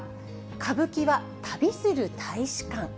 歌舞伎は旅する大使館。